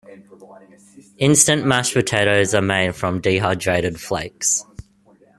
Instant mashed potatoes are made from dehydrated flakes.